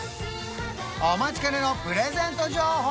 お待ちかねのプレゼント情報